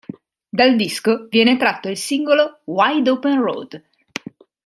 Dal disco viene tratto il singolo "Wide Open Road".